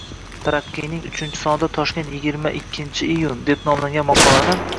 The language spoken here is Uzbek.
“Taraqqiy”ning uchinchi sonida “Toshkent yigirma ikkinchi iyun” deb nomlangan maqolani